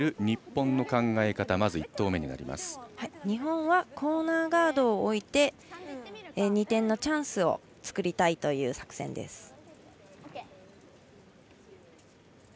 日本はコーナーガードを置いて２点のチャンスを作りたいという作戦です。